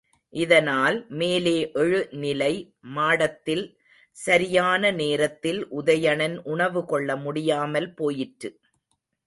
இதனால் மேலே எழுநிலை மாடத்தில் சரியான நேரத்தில் உதயணன் உணவுகொள்ள முடியாமல் போயிற்று.